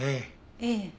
ええ。